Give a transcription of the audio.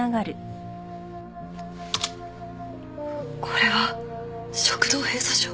これは食道閉鎖症。